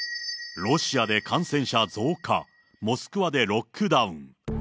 ロシアで感染者増加、モスクワでロックダウン。